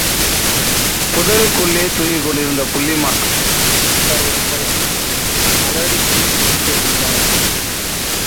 புதருக்குள்ளே தூங்கிக்கொண்டிருந்த புள்ளிமான் துள்ளிப் பாய்வதுபோல, அலறித் துடித்துக் கொண்டு எழுந்தாள்.